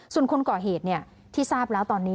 ส่วนคนก่อเหตุที่ทราบแล้วตอนนี้